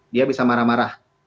dia bisa marah marah